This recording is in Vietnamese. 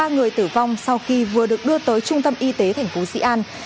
ba người tử vong sau khi vừa được đưa tới trung tâm y tế thành phố sĩ an